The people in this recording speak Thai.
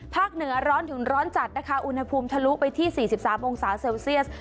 เหนือร้อนถึงร้อนจัดนะคะอุณหภูมิทะลุไปที่๔๓องศาเซลเซียส